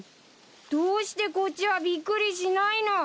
どうしてこっちはびっくりしないの！？